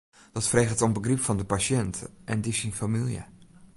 Dat freget om begryp fan de pasjint en dy syn famylje.